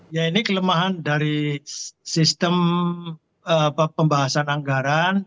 ya ini kelemahan dari sistem pembahasan anggaran